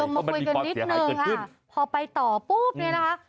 มาคุยกันนิดนึงค่ะพอไปต่อปุ๊บเนี่ยนะคะ